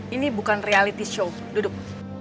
ini bukan reality show duduk